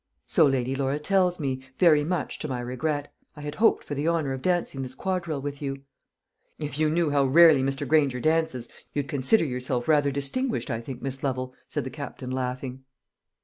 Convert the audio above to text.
"So Lady Laura tells me very much to my regret. I had hoped for the honour of dancing this quadrille with you." "If you knew how rarely Mr. Granger dances, you'd consider yourself rather distinguished, I think, Miss Lovel," said the Captain, laughing.